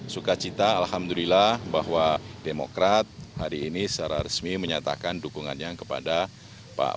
sukacita alhamdulillah bahwa demokrat hari ini secara resmi menyatakan dukungannya kepada pak prabowo